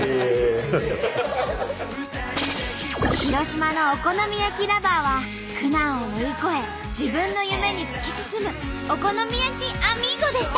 広島のお好み焼きＬｏｖｅｒは苦難を乗り越え自分の夢に突き進むお好み焼きアミーゴでした！